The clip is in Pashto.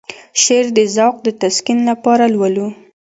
شعر د ذوق د تسکين لپاره لولو.